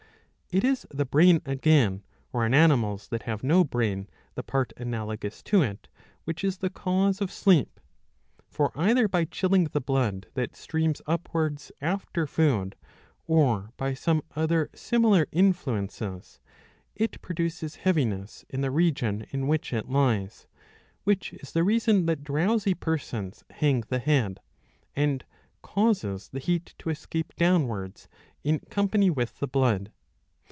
^* It is the brain again, — or, in animals that have no brain, the part analogous to it, — which is the cause of sleep. For either by chilling the blood that streams upwards after food, or by some other similar influences, it produces heaviness in the region in which it lies (which is the reason that drowsy persons hang the head), and causes the heat to escape downwards in company with the blood.